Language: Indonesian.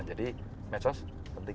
jadi mesos penting